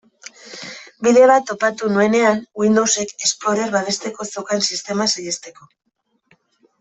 Bide bat topatu nuenean Windowsek Explorer babesteko zeukan sistema saihesteko.